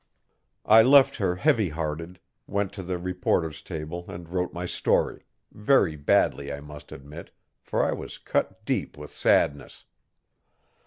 I left her heavy hearted, went to the reporter's table and wrote my story, very badly I must admit, for I was cut deep with sadness.